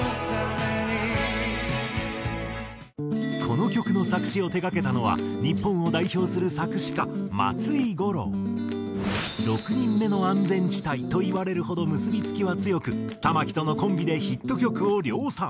この曲の作詞を手がけたのは日本を代表する「６人目の安全地帯」といわれるほど結び付きは強く玉置とのコンビでヒット曲を量産。